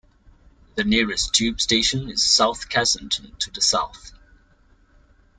The nearest tube station is South Kensington to the south.